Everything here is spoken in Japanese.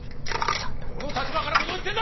どの立場からものを言ってんだ！